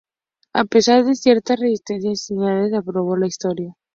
A pesar de ciertas reticencias iniciales, aprobó la historia.